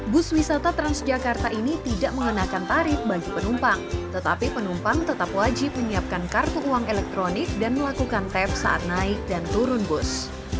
bus wisata transjakarta ini tidak mengenakan tarif bagi penumpang tetapi penumpang tetap wajib menyiapkan kartu uang elektronik dan melakukan tap saat naik dan turun bus